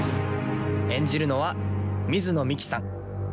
演じるのは水野美紀さん。